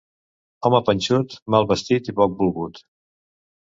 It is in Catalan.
Home panxut, mal vestit i poc volgut.